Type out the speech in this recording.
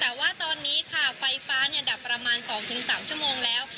แต่ว่าตอนนี้ค่ะไฟฟ้าดับประมาณ๒๓ชั่วโมงแล้ว